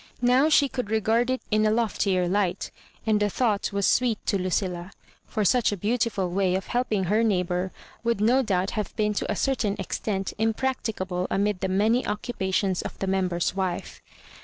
Now she could regard it in a loftier light, and the thought was sweet to Lucilla ; for such a beautiful way of helping her neighbour would no doubt have been to a cer tain extent impracticable amid the many occu pations of the Member's wife.